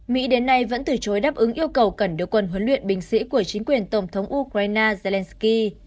mỹ đến nay vẫn từ chối đáp ứng yêu cầu cần đưa quân huấn luyện binh sĩ của chính quyền tổng thống ukraine zelensky